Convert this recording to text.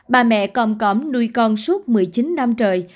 bà mẹ còm còm nuôi con suốt một mươi chín năm trời